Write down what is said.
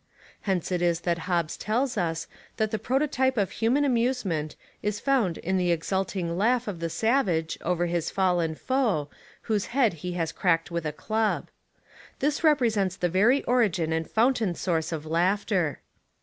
Hence it is that Hobbes tells us that the pro totype of human amusement is found in the ex ulting laugh of the savage over his fallen foe whose head he has cracked with a club. This represents the very origin and fountain source of laughter.